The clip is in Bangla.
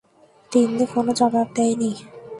তিন্নি কোনো জবাব দেয় নি।